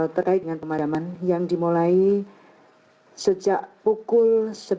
terkait dengan pemadaman yang dimulai sejak pukul sebelas empat puluh lima